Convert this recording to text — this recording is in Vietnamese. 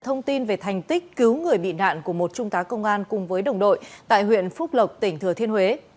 thông tin về thành tích cứu người bị nạn của một trung tá công an cùng với đồng đội tại huyện phúc lộc tỉnh thừa thiên huế